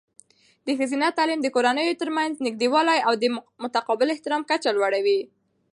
د ښځینه تعلیم د کورنیو ترمنځ نږدېوالی او د متقابل احترام کچه لوړوي.